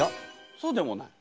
そうでもない？